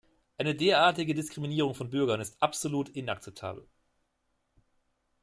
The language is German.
Eine derartige Diskriminierung von Bürgern ist absolut inakzeptabel.